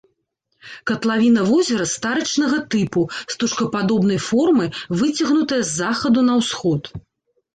Катлавіна возера старычнага тыпу, стужкападобнай формы, выцягнутая з захаду на ўсход.